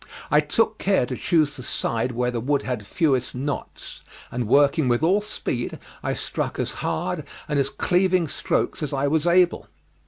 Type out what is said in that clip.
I took care to choose the side where the wood had fewest knots, and working with all speed I struck as hard and as cleaving strokes as I was able.